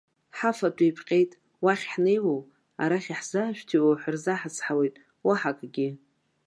Ҳафатә еиԥҟьеит, уахь ҳнеиуоу, арахь иаҳзаашәҭиуоу ҳәа рзаҳацҳауеит, уаҳа акгьы.